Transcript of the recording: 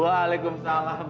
waalaikumsalam selamat datang